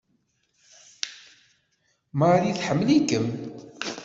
Marie tḥemmel-ikem!